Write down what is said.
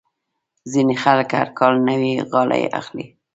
ځینې خلک هر کال نوې غالۍ اخلي.